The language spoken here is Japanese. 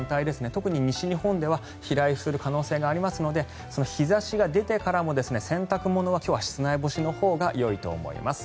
特に西日本では飛来する可能性がありますので日差しが出てからも、洗濯物は今日は室内干しのほうがよいと思います。